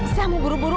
saya mau buru buru